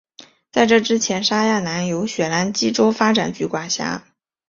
在这之前沙亚南由雪兰莪州发展局管辖。